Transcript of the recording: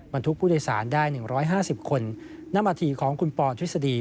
บรรทุกผู้โดยสารได้๑๕๐คนหน้ามาทีของคุณปอนทฤษฎี